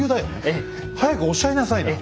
ええ。早くおっしゃいなさいな。